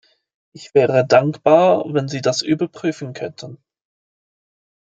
Ich wäre dankbar, wenn Sie das überprüfen könnten.